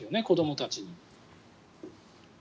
子どもたちに。